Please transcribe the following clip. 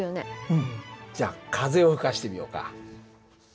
うんじゃあ風を吹かしてみようか。